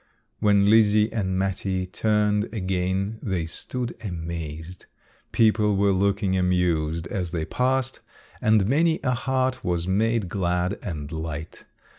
When Lizzie and Mattie turned again they stood amazed. People were looking amused as they passed and many a heart was made glad and light.